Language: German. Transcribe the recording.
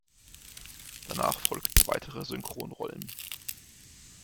Danach folgten weitere Synchronrollen.